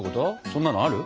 そんなのある？